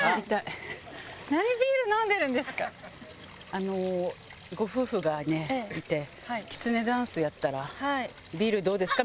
あのご夫婦がいてきつねダンスやったらビールどうですか？